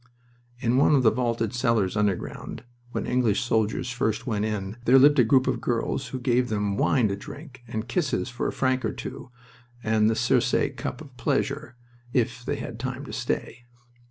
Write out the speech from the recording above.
In one of the vaulted cellars underground, when English soldiers first went in, there lived a group of girls who gave them wine to drink, and kisses for a franc or two, and the Circe cup of pleasure, if they had time to stay.